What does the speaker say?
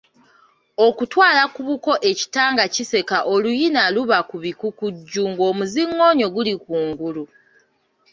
Okutwala ku buko ekita nga kiseka oluyina luba kubikukujju, ng'omuzingoonyo guli ku ngulu.